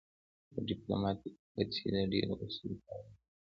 ډیپلوماتیکې هڅې د ډیرو اصولو پایله ده